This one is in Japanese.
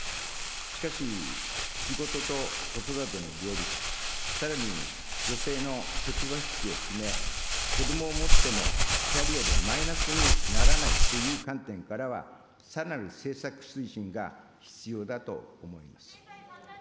しかし、仕事と子育ての両立、さらに女性の職場復帰を含め、子どもを持ってもキャリアでマイナスにならないという観点からは、さらなる政策推進が必要だと思います。